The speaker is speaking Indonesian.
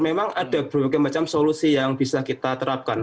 memang ada berbagai macam solusi yang bisa kita terapkan